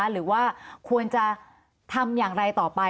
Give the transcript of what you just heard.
หรือว่าควรจะทำอย่างไรต่อไป